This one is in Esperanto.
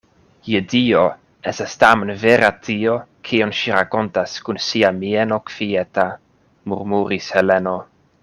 Je Dio! Estas tamen vera tio, kion ŝi rakontas kun sia mieno kvieta, murmuris Heleno.